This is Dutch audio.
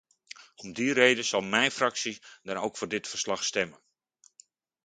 Om die reden zal mijn fractie dan ook voor dit verslag stemmen.